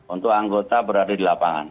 untuk anggota berada di lapangan